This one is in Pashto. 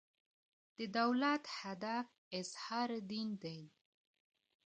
د دولت هدف اظهار دین دی.